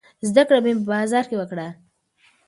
زده کړه مې په بازار کې وکړه.